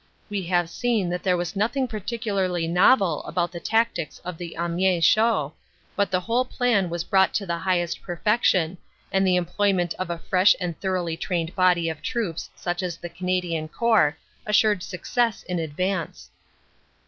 We have seen that there was nothing particularly novel about the tactics of the Amiens show, but the whole plan was brought to the highest perfection and the employment of a fresh and thor LESSONS OF THE BATTLE 93 oughly trained body of troops such as the Canadian Corps assured success in advance.